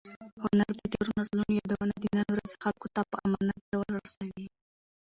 هنر د تېرو نسلونو یادونه د نن ورځې خلکو ته په امانت ډول رسوي.